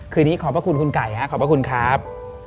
คืนนี้ขอบพระคุณคุณไก่ครับขอบพระคุณครับ